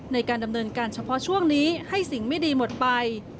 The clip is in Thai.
ในการดำเนินการเฉพาะช่วงนี้ให้สิ่งไม่ดีหมดไป